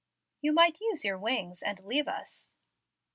"You might use your wings and leave us."